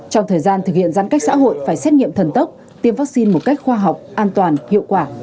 trong thời gian thực hiện giãn cách xã hội phải xét nghiệm thần tốc tiêm vaccine một cách khoa học an toàn hiệu quả